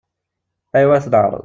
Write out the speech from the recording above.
Aya-w ad t-neƐreḍ.